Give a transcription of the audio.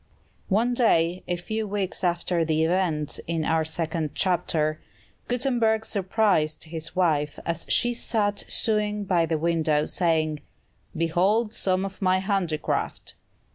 One day, a few weeks after the events in our second chapter, Gutenberg surprised his wife as she sat sewing by the window, saying, "Behold some of my handicraft!"